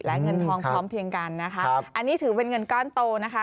และเงินทองพร้อมเพียงกันนะคะอันนี้ถือเป็นเงินก้อนโตนะคะ